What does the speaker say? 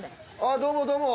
どうもどうも。